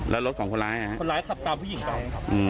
แล้วรถของคนร้ายคนร้ายขับตามผู้หญิงไปครับ